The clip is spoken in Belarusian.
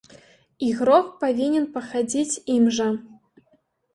Ігрок павінен пахадзіць ім жа.